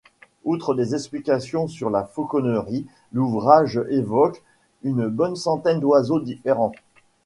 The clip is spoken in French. Outre des explications sur la fauconnerie, l'ouvrage évoque une bonne centaine d'oiseaux différents.